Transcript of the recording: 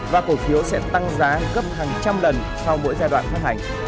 và cổ phiếu sẽ tăng giá gấp hàng trăm lần sau mỗi giai đoạn phát hành